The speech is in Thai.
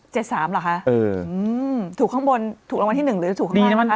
เจ็ดสามเหรอคะถูกข้างบนถูกรวมวันที่หนึ่งหรือถูกข้างล่าง